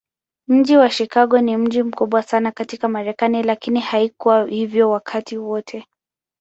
Mji wa Chicago ni mji mkubwa sana katika Marekani, lakini haikuwa hivyo wakati wote.